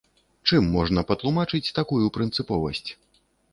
Чым можна патлумачыць такую прынцыповасць?